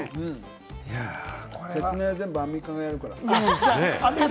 説明は全部アンミカがやるから。